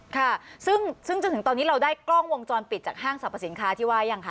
ค่ะซึ่งจนถึงตอนนี้เราได้กล้องวงจรปิดจากห้างสรรพสินค้าที่ว่ายังคะ